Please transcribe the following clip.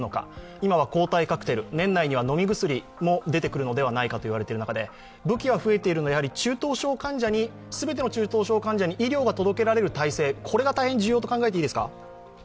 今は抗体カクテル、年内には飲み薬も出てくるのではないかと言われている中で武器は増えているので、全ての中等症患者に医療が届けられる体制が重要と考えていいですか。